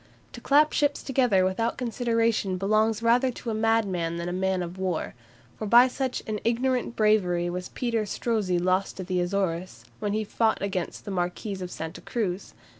To clap ships together without consideration belongs rather to a madman than to a man of war; for by such an ignorant bravery was Peter Strozzi lost at the Azores, when he fought against the Marquis of Santa Cruz.